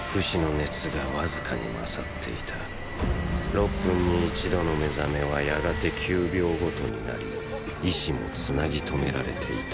６分に一度の目覚めはやがて９秒ごとになり意志も繋ぎ止められていた。